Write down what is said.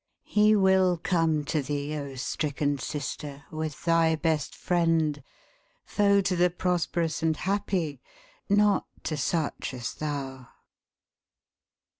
He will come to thee, O stricken sister, with thy best friend — foe to the prosperous and happy — not to such as thou